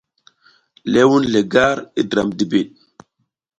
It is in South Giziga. Ləh wun le gar i dram dibid.